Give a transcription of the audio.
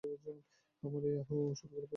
আমার এই, আহ, ঔষধগুলো প্রয়োজন।